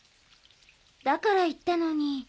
だから言ったのに。